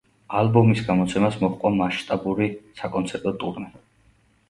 ალბომის გამოცემას მოჰყვა მასშტაბური საკონცერტო ტურნე.